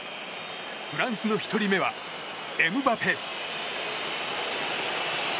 フランスの１人目はエムバペ。